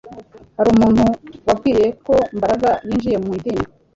Hari umuntu wambwiye ko Mbaraga yinjiye mu idini